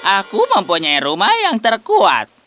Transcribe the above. aku mempunyai rumah yang terkuat